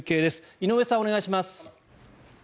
井上さん、お願いします。